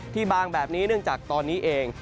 บางแบบนี้เนื่องจากตอนนี้เอง